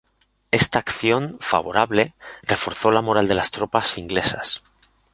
Esta acción favorable reforzó la moral de las tropas inglesas.